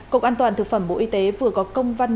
cục an toàn thực phẩm bộ y tế vừa có công văn